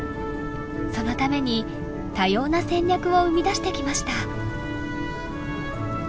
そのために多様な戦略を生み出してきました。